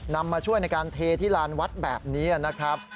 มาช่วยในการเทที่ลานวัดแบบนี้นะครับ